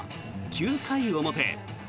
９回表。